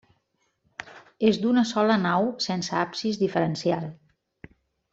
És d'una sola nau sense absis diferenciar.